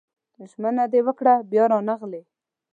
ژمنه دې وکړه بيا رانغلې